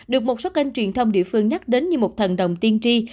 được một số kênh truyền thông địa phương nhắc đến như một thần đồng tiên tri